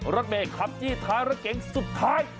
รถเมฆคลับจี้ทาระเกงสุดท้าย